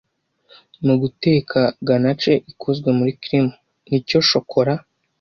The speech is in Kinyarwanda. Muguteka ganache ikozwe muri cream nicyo Shokora